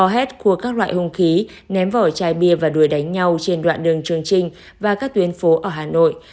hết khua các loại hung khí ném vỏ trái bia và đuổi đánh nhau trên đoạn đường trường trinh và các tuyến phố ở hà nội